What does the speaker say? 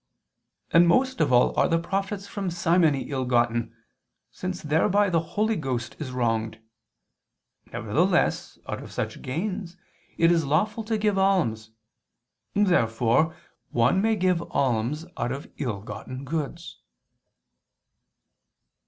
And most of all are the profits from simony ill gotten, since thereby the Holy Ghost is wronged. Nevertheless out of such gains it is lawful to give alms. Therefore one may give alms out of ill gotten goods.